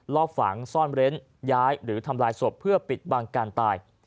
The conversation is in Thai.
รอบฝังซ่อนเร้นย้ายหรือทำลายศพเพื่อปิดบังการตาย